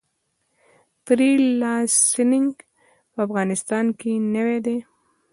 فری لانسینګ په افغانستان کې نوی دی